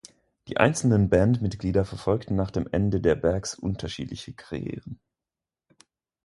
Die einzelnen Bandmitglieder verfolgten nach dem Ende der Bags unterschiedliche Karrieren.